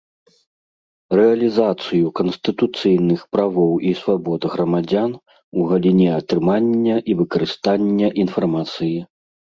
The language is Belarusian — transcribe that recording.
Рэалiзацыю канстытуцыйных правоў i свабод грамадзян у галiне атрымання i выкарыстання iнфармацыi.